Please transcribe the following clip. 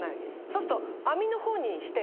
そうすると。